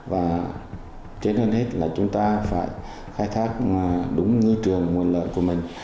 và trên hơn hết là chúng ta phải khai thác đúng ngư trường nguồn lợi của mình